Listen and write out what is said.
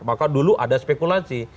maka dulu ada spekulasi